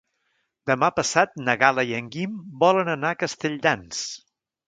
Demà passat na Gal·la i en Guim volen anar a Castelldans.